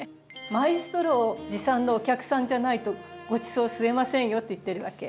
「マイストローを持参のお客さんじゃないとごちそう吸えませんよ」って言ってるわけ。